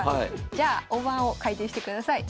じゃあ大盤を回転してください。